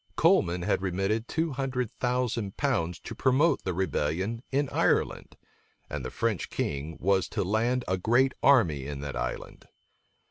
Coleman had remitted two hundred thousand pounds to promote the rebellion in Ireland; and the French king was to land a great army in that island.